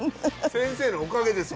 先生のおかげです